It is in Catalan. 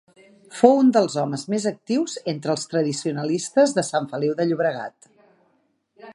Fou un dels homes més actius entre els tradicionalistes de Sant Feliu de Llobregat.